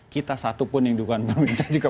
kita satupun yang dukungan pemerintah juga